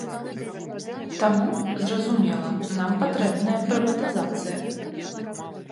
Таму, зразумела, нам патрэбная прыватызацыя.